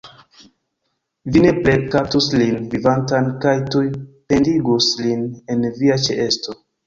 Ni nepre kaptus lin vivantan kaj tuj pendigus lin en via ĉeesto!